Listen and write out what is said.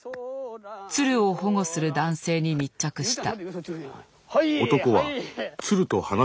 鶴を保護する男性に密着した。